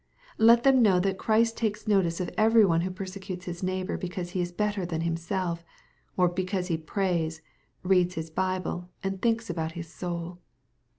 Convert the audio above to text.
Let them know that Christ takes notice of every one who persecutes his neighbor because he is better than himself, or because he prays, reads his Bible, and thinks about his soul.